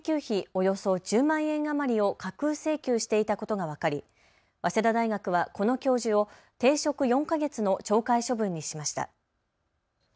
およそ１０万円余りを架空請求していたことが分かり早稲田大学はこの教授を停職４か月の懲戒処分にしました。